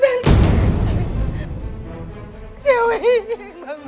terus apa yang terjadi sama ibu kamu